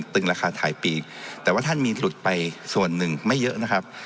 ึงราคาถ่ายปีกแต่ว่าท่านมีหลุดไปส่วนหนึ่งไม่เยอะนะครับ